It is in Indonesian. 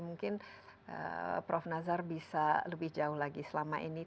mungkin prof nazar bisa lebih jauh lagi selama ini